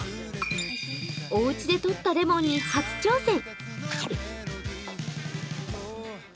おうちでとったレモンに初挑戦。